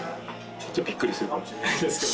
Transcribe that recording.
びっくりするかもしれないですけど。